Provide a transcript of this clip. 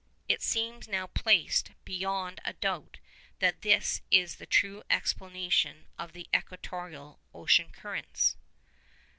It seems now placed beyond a doubt that this is the true explanation of the equatorial ocean currents.